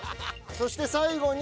そして最後に。